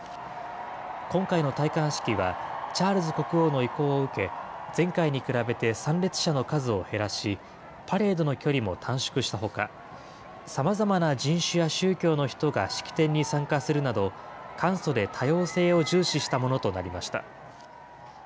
今回の戴冠式は、チャールズ国王の意向を受け、前回に比べて参列者の数を減らし、パレードの距離も短縮したほか、さまざまな人種や宗教の人が式典に参加するなど、簡素で多様性を重視したものとなりました。